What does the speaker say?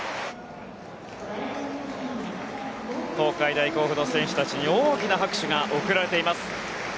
東海大甲府の選手たちに大きな拍手が送られています。